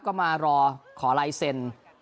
ก็มารอขอลายเซ็น